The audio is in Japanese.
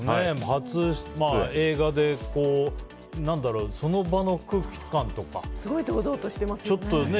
初映画で、その場の空気感とか。すごい堂々としていますよね。